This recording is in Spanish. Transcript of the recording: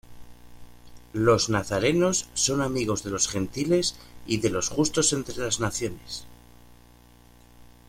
Los nazarenos son amigos de los gentiles y de los justos entre las naciones.